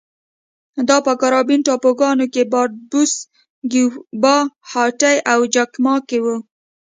دا په کارابین ټاپوګانو باربادوس، کیوبا، هایټي او جامیکا کې و